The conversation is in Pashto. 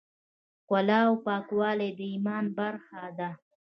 ښکلا او پاکوالی د ایمان برخه ده.